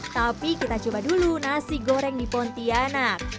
tapi kita coba dulu nasi goreng di pontianak